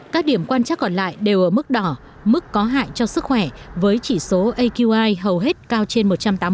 các điểm quan trắc còn lại đều ở mức đỏ mức có hại cho sức khỏe với chỉ số aqi hầu hết cao trên một trăm tám mươi